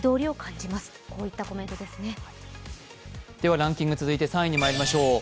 ランキング続いて３位にまいりましょう。